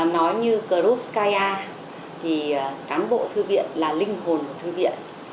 nói như group scia thì cán bộ thư viện là linh hồn của thư viện